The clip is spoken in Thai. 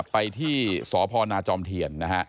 ไปที่สพนาจอมเทียน